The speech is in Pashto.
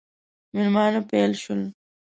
مېلمانه پیل شول.